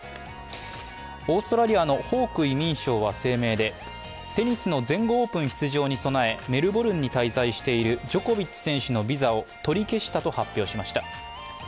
オーストラリアのホーク移民相は声明でテニスの全豪オープン出場に備えメルボルンに滞在しているジョコビッチ選手のビザを取り消したと発表しました。